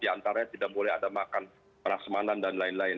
di antaranya tidak boleh ada makan perasmanan dan lain lain